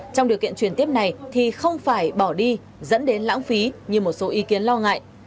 trong điều kiện truyền tiếp này thì không phải bỏ đi dẫn đến lãng phí như một số ý kiến lo ngại